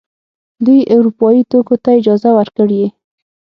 دوی اروپايي توکو ته اجازه ورکړي.